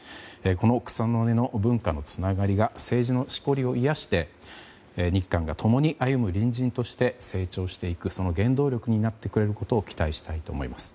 この草の根の文化のつながりが政治のしこりを癒やして日韓が共に歩む隣人として成長していくその原動力になることを期待したいと思います。